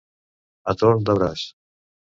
A torn de braç.